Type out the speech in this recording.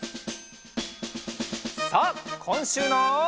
さあこんしゅうの。